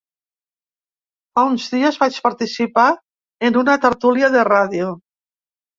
Fa uns dies vaig participar en una tertúlia de radio.